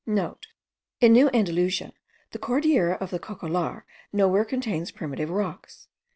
*(* In New Andalusia, the Cordillera of the Cocollar nowhere contains primitive rocks.